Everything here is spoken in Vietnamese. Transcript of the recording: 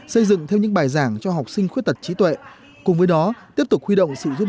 xây dựng thêm những bài giảng cho học sinh khuyết tật trí tuệ cùng với đó tiếp tục huy động sự giúp